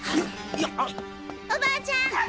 おばあちゃん！